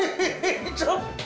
ちょっと！